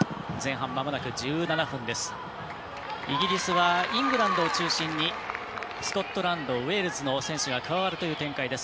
イギリスはイングランドを中心にスコットランド、ウェールズの選手が加わるという展開です。